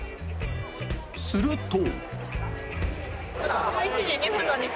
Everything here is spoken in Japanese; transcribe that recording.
すると。